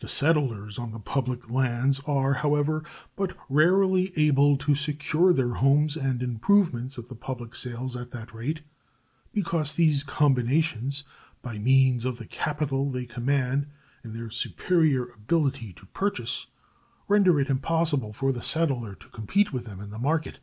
The settlers on the public lands are, however, but rarely able to secure their homes and improvements at the public sales at that rate, because these combinations, by means of the capital they command and their superior ability to purchase, render it impossible for the settler to compete with them in the market.